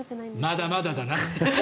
まだまだだな。